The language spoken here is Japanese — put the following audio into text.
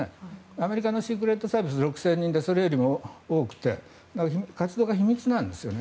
アメリカのシークレットサービスは６０００人でそれよりも多くて活動が秘密なんですよね。